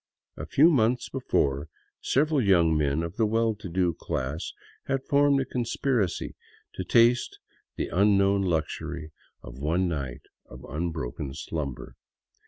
A few months before, several young men of the well to do class had formed a conspiracy to taste the un known luxury of one night of unbroken slumber.